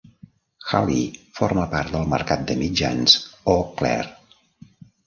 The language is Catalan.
Hallie forma part del mercat de mitjans Eau Claire.